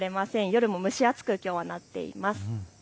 夜も蒸し暑くなっています。